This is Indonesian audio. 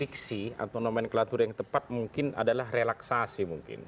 diksi atau nomenklatur yang tepat mungkin adalah relaksasi mungkin